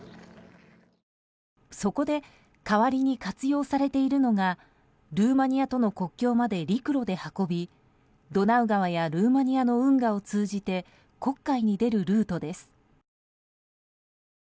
そこで代わりに活用されているのがルーマニアとの国境まで陸路で運びドナウ川やルーマニアの運河を通じて黒海に出るルートです。